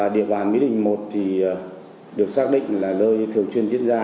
địa bàn mỹ đình một được xác định là nơi thường truyền diễn ra